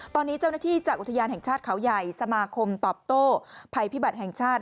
ตอนนี้เจ้าหน้าที่จากอุทยานแห่งชาติเขาใหญ่สมาคมตอบโต้ภัยพิบัติแห่งชาติ